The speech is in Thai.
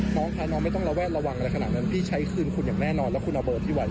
น้องค่ะน้องไม่ต้องระแวดระวังอะไรขนาดนั้นพี่ใช้คืนคุณอย่างแน่นอนแล้วคุณเอาเบอร์พี่วัน